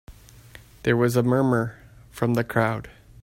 There was a murmur from the crowd.